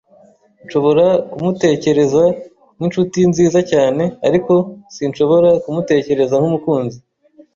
Nshobora kumutekereza nkinshuti nziza cyane, ariko sinshobora kumutekereza nkumukunzi.